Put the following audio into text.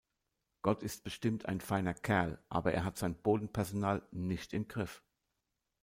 Gott ist bestimmt ein feiner Kerl, aber er hat sein Bodenpersonal nicht im Griff.